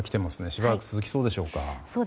しばらく続きそうでしょうか？